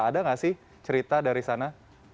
ada nggak sih cerita dari sana